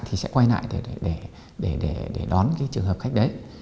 thì sẽ quay lại để đón cái trường hợp khách đấy